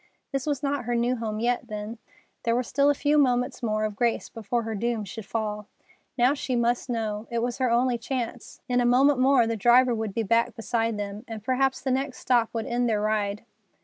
This was not her new home yet, then. There were still a few moments more of grace before her doom should fall. Now she must know. It was her only chance. In a moment more the driver would be back beside them, and perhaps the next stop would end their ride.